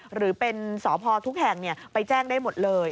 หรือเป็นสพทุกแห่งไปแจ้งได้หมดเลย